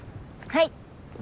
はい。